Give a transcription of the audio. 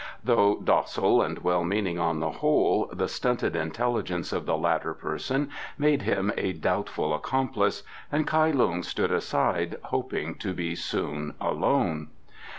Though docile and well meaning on the whole, the stunted intelligence of the latter person made him a doubtful accomplice, and Kai Lung stood aside, hoping to be soon alone.